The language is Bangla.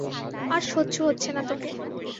আর সহ্য হচ্ছে না তোকে।